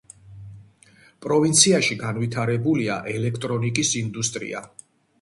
პროვინციაში განვითარებულია ელექტრონიკის ინდუსტრია.